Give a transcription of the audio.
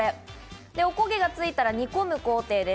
おこげがついたら煮込む工程です。